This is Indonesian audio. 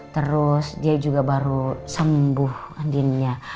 terus dia juga baru sembuh andinnya